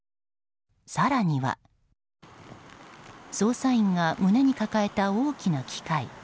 更には、捜査員が胸に抱えた大きな機械。